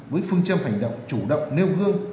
với phương châm hành động chủ động nêu gương